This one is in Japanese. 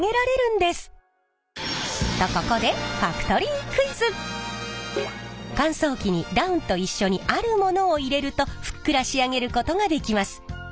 とここで乾燥機にダウンと一緒にあるものを入れるとふっくら仕上げることができます。